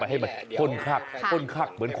อ้าว